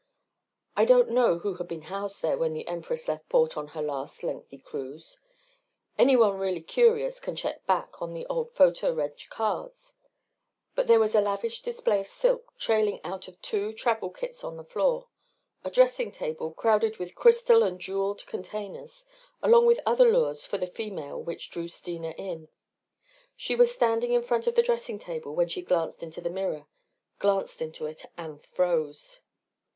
I don't know who had been housed there when the Empress left port on her last lengthy cruise. Anyone really curious can check back on the old photo reg cards. But there was a lavish display of silks trailing out of two travel kits on the floor, a dressing table crowded with crystal and jeweled containers, along with other lures for the female which drew Steena in. She was standing in front of the dressing table when she glanced into the mirror glanced into it and froze.